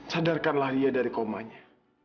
sadarkanlah dia dari komanya